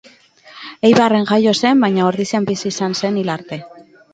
Eibarren jaio zen baina Ordizian bizi izan zen hil arte.